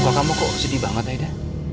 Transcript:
kok kamu sedih banget aida